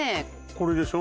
これでしょ？